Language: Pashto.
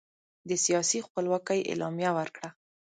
د سیاسي خپلواکۍ اعلامیه ورکړه.